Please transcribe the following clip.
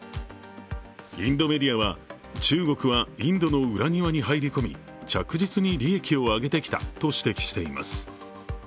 インドメディアは中国はインドの裏庭に入り込み、着実に利益を上げてきたと指摘しています。